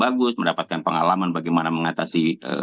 bagus mendapatkan pengalaman bagaimana mengatasi